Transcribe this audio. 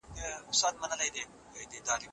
کېدای سي هغه خپله تېره سوې خبره بېرته واخلي.